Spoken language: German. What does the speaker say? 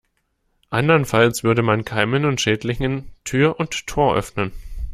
Andernfalls würde man Keimen und Schädlingen Tür und Tor öffnen.